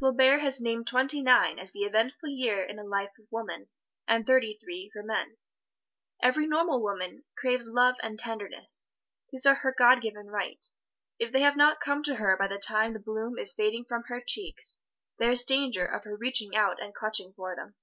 Flaubert has named twenty nine as the eventful year in the life of woman, and thirty three for men. Every normal woman craves love and tenderness these are her God given right. If they have not come to her by the time the bloom is fading from her cheeks, there is danger of her reaching out and clutching for them.